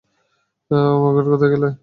অহ, মুকুট কোথায় গেল?